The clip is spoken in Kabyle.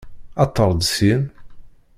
Aṭer-d syin!